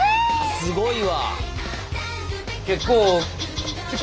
すごいわ！